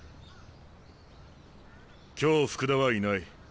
今日福田はいない。